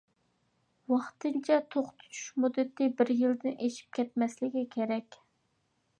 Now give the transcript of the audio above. ۋاقتىنچە توختىتىش مۇددىتى بىر يىلدىن ئېشىپ كەتمەسلىكى كېرەك.